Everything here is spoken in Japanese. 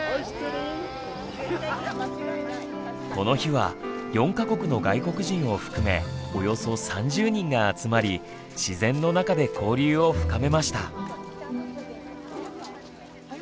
この日は４か国の外国人を含めおよそ３０人が集まり自然の中で交流を深めました。